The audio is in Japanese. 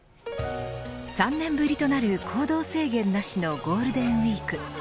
３年ぶりとなる行動制限なしのゴールデンウイーク。